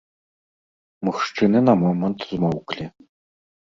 Мужчыны на момант змоўклі.